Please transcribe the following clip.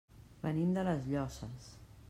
Venim de les Llosses.